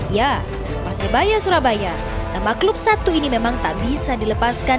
ya persebaya surabaya nama klub satu ini memang tak bisa dilepaskan